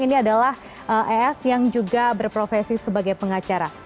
ini adalah es yang juga berprofesi sebagai pengacara